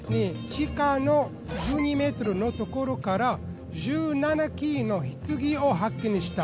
地下の１２ｍのところから１７基の棺を発見した。